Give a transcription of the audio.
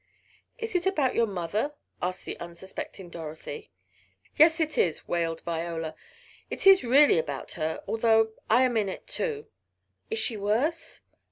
"Is it about your mother?" asked the unsuspecting Dorothy. "Yes, it is," wailed Viola. "It is really about her, although I am in it too." "Is she worse?"